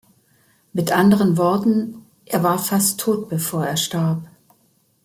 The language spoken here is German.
Mit anderen Worten, er war fast tot, bevor er starb.